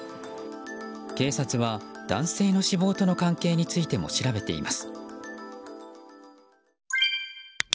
警察は、男性の死亡との関係についても調べています。